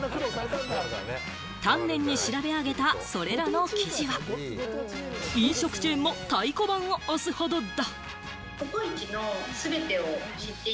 丹念に調べ上げた、それらの記事は飲食チェーンも太鼓判を押すほどだ。